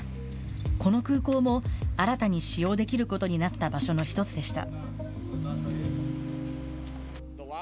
この空港も、新たに使用できることになった場所の一つでした。